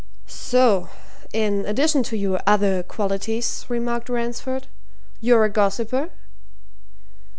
"So in addition to your other qualities," remarked Ransford, "you're a gossiper?"